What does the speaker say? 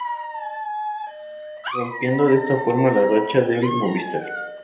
Rompiendo de esta forma la racha del Movistar.